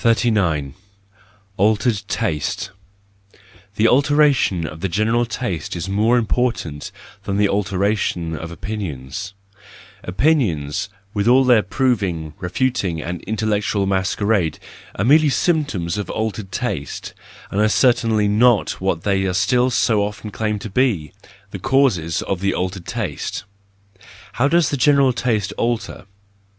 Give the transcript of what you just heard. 39 Altered Taste .—The alteration of the general taste is more important than the alteration of opinions ; opinions, with all their proving, refuting, and intellectual masquerade, are merely symptoms of altered taste, and are certainly not what they are still so often claimed to be, the causes of the altered taste.' How does the general taste alter?